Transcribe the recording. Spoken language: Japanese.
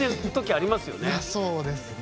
いやそうですね。